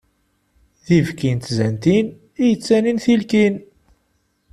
D ibki n tzantin, i yettanin tilkin.